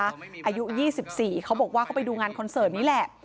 อายุ๒๔เขาบอกว่าเขาไปดูงานคอนเสิร์ตนี้แหละ